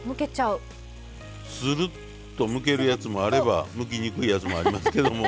スルッとむけるやつもあればむけにくいやつもありますけども。